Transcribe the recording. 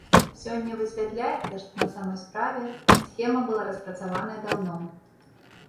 Сёння высвятляецца, што на самай справе схема была распрацаваная даўно.